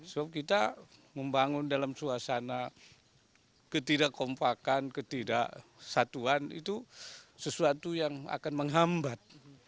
sebab kita membangun dalam suasana ketidakompakan ketidaksatuan itu sesuatu yang akan menghambat